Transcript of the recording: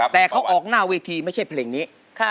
แต่เขาออกหน้าเวทีไม่ใช่เพลงนี้